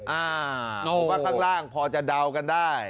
หรือว่าข้างล่างพอจะเดากันได้